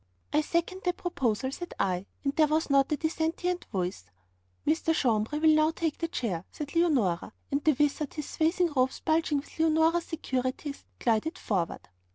'I second that proposal,' said I, and there was not a dissentient voice. 'Mr. Jambres will now take the chair,' said Leonora, and the wizard, his swathing robes bulging with Leonora's securities, glided forward.